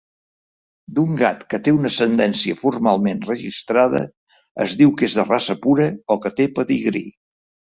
D'un gat que té una ascendència formalment registrada es diu que és de raça pura o que té pedigrí.